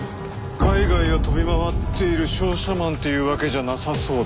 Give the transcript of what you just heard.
海外を飛び回っている商社マンっていうわけじゃなさそうだな。